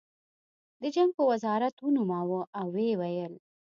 د جنګ په وزارت ونوموه او ویې ویل